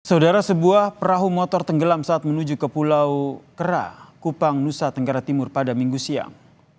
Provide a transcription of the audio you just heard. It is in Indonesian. saudara sebuah perahu motor tenggelam saat menuju ke pulau kera kupang nusa tenggara timur pada minggu siang